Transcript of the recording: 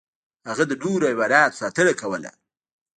هغه د نورو حیواناتو ساتنه کوله.